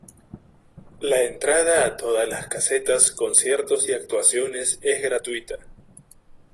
La entrada a todas las casetas, conciertos y actuaciones es gratuita.